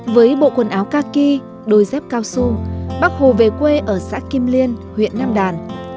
với bộ quần áo ca kỳ đôi dép cao su bác hồ về quê ở xã kim liên huyện nam đàn